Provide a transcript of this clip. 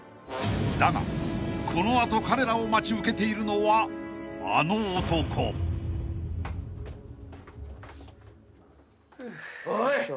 ［だがこの後彼らを待ち受けているのはあの男］おい！